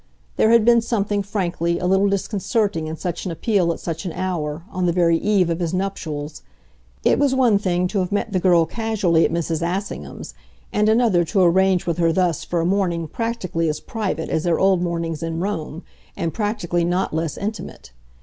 There had been something, frankly, a little disconcerting in such an appeal at such an hour, on the very eve of his nuptials: it was one thing to have met the girl casually at Mrs. Assingham's and another to arrange with her thus for a morning practically as private as their old mornings in Rome and practically not less intimate.